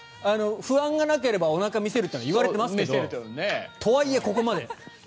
不安がなければおなかを見せるといわれていますがとはいえ、ここまで。